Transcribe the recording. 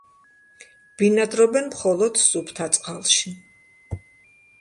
ბინადრობენ მხოლოდ სუფთა წყალში.